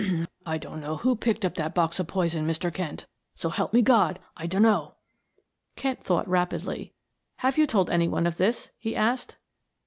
"I dunno who picked up that box o' poison, Mr. Kent; so help me God, I dunno!" Kent thought rapidly. "Have you told any one of this?" he asked.